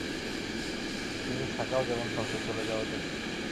কিন্তু থাকাও যেমন শক্ত, চলে যাওয়াও তেমনি।